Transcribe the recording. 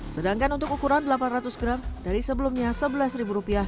sedangkan untuk ukuran delapan ratus gram dari sebelumnya rp sebelas